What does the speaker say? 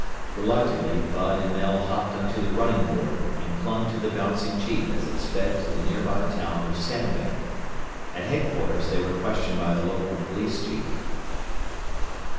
Reluctantly, Bud and Mel hopped onto the running board and clung to the bouncing jeep as it sped to the nearby town of Sandbank. At headquarters they were questioned by the local police chief.